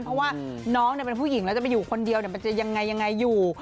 เพราะว่าน้องเป็นผู้หญิงแล้วจะไปอยู่คนเดียวมันจะยังไงอยู่